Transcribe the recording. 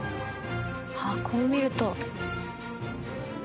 ああこう見ると。